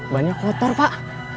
bannya kotor pak